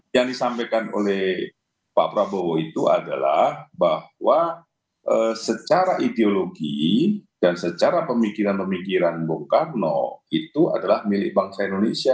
yang disampaikan oleh pak prabowo itu adalah bahwa secara ideologi dan secara pemikiran pemikiran bung karno itu adalah milik bangsa indonesia